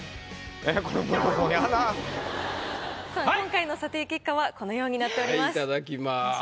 今回の査定結果はこのようになっております。